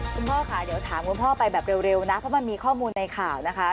คุณพ่อค่ะเดี๋ยวถามคุณพ่อไปแบบเร็วนะเพราะมันมีข้อมูลในข่าวนะคะ